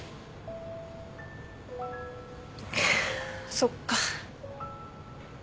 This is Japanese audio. そっか。